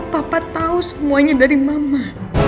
papa tahu semuanya dari mama